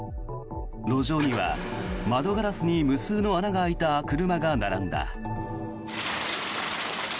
路上には窓ガラスに無数の穴が開いた車が並んだ。